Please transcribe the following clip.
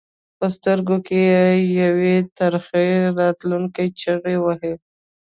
په سترګو کې یې یوې ترخې راتلونکې چغې وهلې.